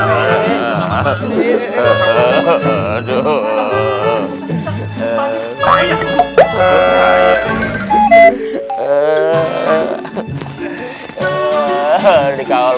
masukin ke pintu bawah